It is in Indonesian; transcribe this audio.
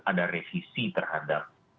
ada revisi terhadap